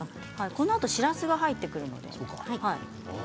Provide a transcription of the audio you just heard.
このあとしらすが入ってくるので。